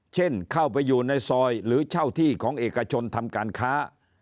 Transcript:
เช่นเข้าไปอยู่ในซอยหรือเช่าที่ของเอกชนทำการค้า